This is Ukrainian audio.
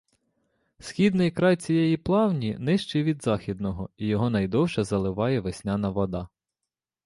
Східний край цієї плавні нижчий від західного, і його надовше заливає весняна вода.